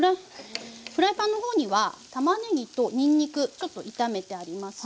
フライパンの方にはたまねぎとにんにくちょっと炒めてあります。